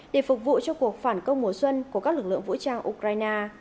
để phục vụ cho cuộc phản công mùa xuân của các lực lượng vũ trang ukraine